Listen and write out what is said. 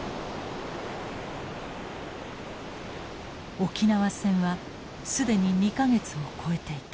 沖縄戦は既に２か月を超えていた。